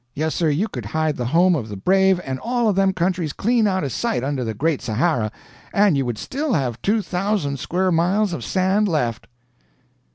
Yes, sir, you could hide the home of the brave and all of them countries clean out of sight under the Great Sahara, and you would still have 2,000 square miles of sand left."